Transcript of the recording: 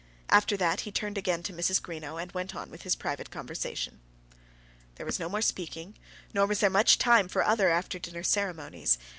After that he turned again to Mrs. Greenow and went on with his private conversation. There was no more speaking, nor was there much time for other after dinner ceremonies.